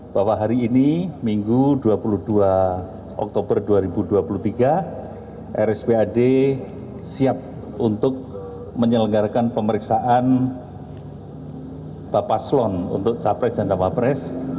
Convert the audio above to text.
bahwa hari ini minggu dua puluh dua oktober dua ribu dua puluh tiga rspad siap untuk menyelenggarakan pemeriksaan bapak slon untuk capres dan cawapres